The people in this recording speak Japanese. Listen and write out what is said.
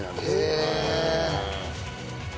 へえ。